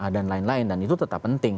dan lain lain dan itu tetap penting